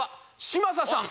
嶋佐さん！